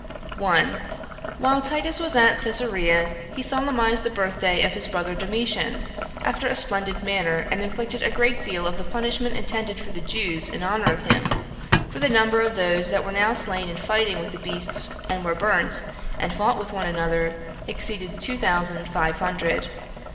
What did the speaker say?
1. While Titus was at Cesarea, he solemnized the birthday of his brother [Domitian] after a splendid manner, and inflicted a great deal of the punishment intended for the Jews in honor of him; for the number of those that were now slain in fighting with the beasts, and were burnt, and fought with one another, exceeded two thousand five hundred.